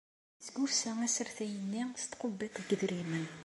Yesgufsa asertay-nni s tqebbiṭ n yedrimen.